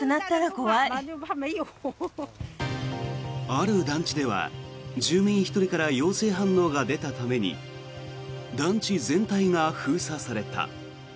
ある団地では住民１人から陽性反応が出たために団地全体が封鎖された。